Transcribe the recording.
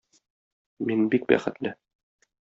Мин бик бәхетле.